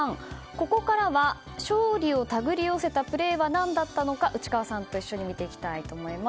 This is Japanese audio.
ここからは、勝利を手繰り寄せたプレーは何だったのか内川さんと一緒に見ていきたいと思います。